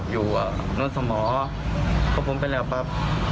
อยู่โน้นสมอเพราะผมเป็นแล้วกับ